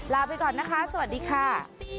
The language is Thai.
ลาไปก่อนนะคะสวัสดีค่ะ